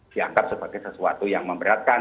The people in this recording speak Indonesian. dianggap sebagai sesuatu yang memberatkan